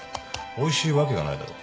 おいしいわけがないだろ。